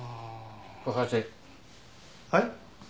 はい？